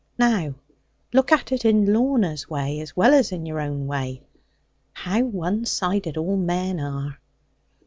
Now look at it in Lorna's way as well as in your own way. How one sided all men are!'